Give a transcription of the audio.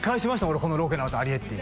俺このロケのあと「アリエッティ」